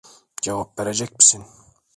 Cevap verecek misin?